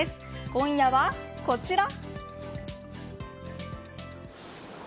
今夜はこちら。